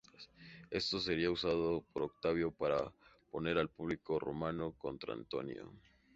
Esto sería usado por Octaviano para poner al público romano contra Antonio.